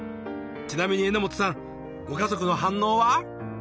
ちなみに榎本さんご家族の反応は？